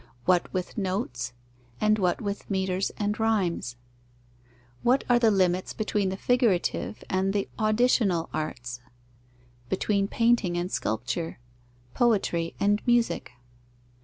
What with notes, and what with metres and rhymes? What are the limits between the figurative and the auditional arts, between painting and sculpture, poetry and music?